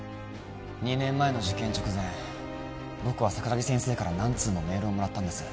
２年前の受験直前僕は桜木先生から何通もメールをもらったんです